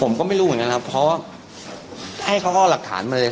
ผมก็ไม่รู้เหมือนกันครับเพราะว่าให้เขาเอาหลักฐานมาเลย